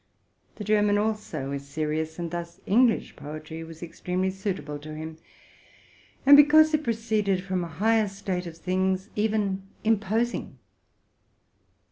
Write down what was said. The German also is serious; and thus English poetry was extremely suit able to him, and, because it proceeded from a higher state of things, even imposing.